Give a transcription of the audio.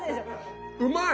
うまい！